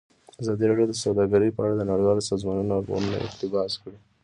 ازادي راډیو د سوداګري په اړه د نړیوالو سازمانونو راپورونه اقتباس کړي.